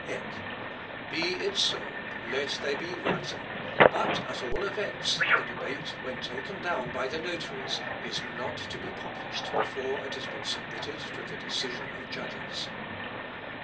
Eck. "Be it so, let there be writing; but, at all events, the debate, when taken down by the notaries, is not to be published before it has been submitted to the decision of judges."